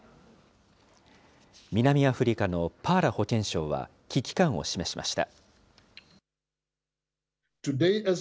南アフリカのパーラ保健相は、危機感を示しました。